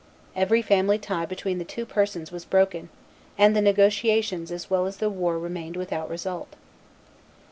Every family tie between the two persons was broken; and the negotiations as well as the war remained without result.